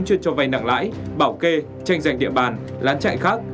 chuyên cho vay nặng lãi bảo kê tranh giành địa bàn lán chạy khác